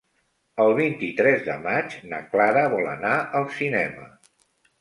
El vint-i-tres de maig na Clara vol anar al cinema.